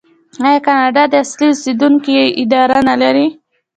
آیا کاناډا د اصلي اوسیدونکو اداره نلري؟